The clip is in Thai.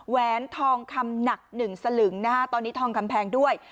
แหนทองคำหนัก๑สลึงนะฮะตอนนี้ทองคำแพงด้วย